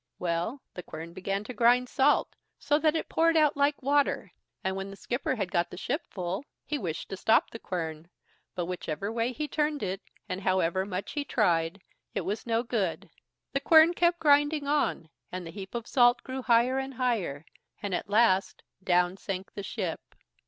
Well, the quern began to grind salt so that it poured out like water; and when the skipper had got the ship full, he wished to stop the quern, but whichever way he turned it, and however much he tried, it was no good; the quern kept grinding on, and the heap of salt grew higher and higher, and at last down sank the ship.